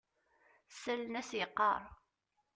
Ssalen-as yeqqar.